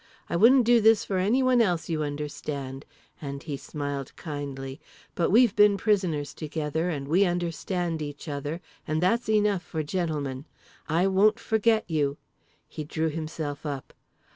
I wouldn't do this for anyone else, you understand," and he smiled kindly; "but we've been prisoners together, and we understand each other, and that's enough for gentlemen. I won't forget you." He drew himself up.